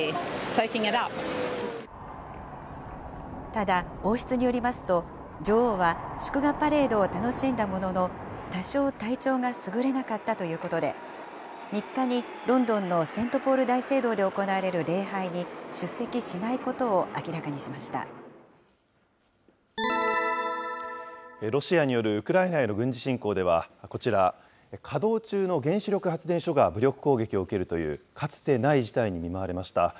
ただ、王室によりますと、女王は、祝賀パレードを楽しんだものの、多少体調がすぐれなかったということで、３日にロンドンのセントポール大聖堂で行われる礼拝に出席しないロシアによるウクライナへの軍事侵攻では、こちら、稼働中の原子力発電所が武力攻撃を受けるというかつてない事態に見舞われました。